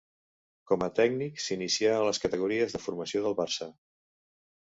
Com a tècnic s'inicià a les categories de formació del Barça.